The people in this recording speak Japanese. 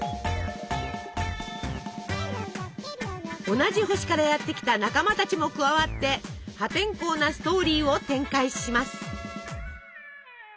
同じ星からやって来た仲間たちも加わって破天荒なストーリーを展開します。